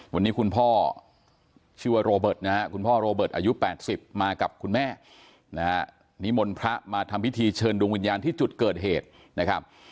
วันนี้คุณพ่อชื่อว่าโรเบิร์ตนะฮะคุณพ่อโรเบิร์ตอายุ๘๐มากับคุณแม่นะฮะนิมนต์พระมาทำพิธีเชิญดวงวิญญาณที่จุดเกิดเหตุนะครับ